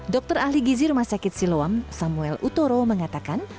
dokter ahli gizi rumah sakit siloam samuel utoro mengatakan